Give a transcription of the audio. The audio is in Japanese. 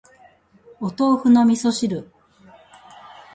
お豆腐の味噌汁